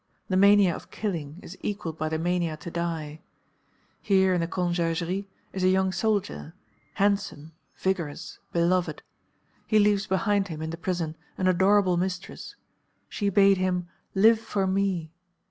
The mania of killing is equalled by the mania to die. Here, in the Conciergerie, is a young soldier, handsome, vigorous, beloved; he leaves behind him in the prison an adorable mistress; she bade him "Live for me!"